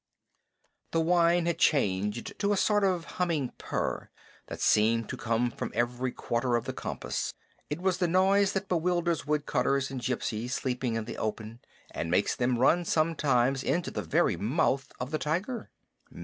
The whine had changed to a sort of humming purr that seemed to come from every quarter of the compass. It was the noise that bewilders woodcutters and gypsies sleeping in the open, and makes them run sometimes into the very mouth of the tiger.